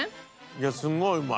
いやすごいうまい！